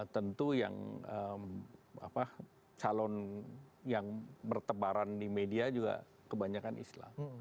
tentu yang calon yang bertebaran di media juga kebanyakan islam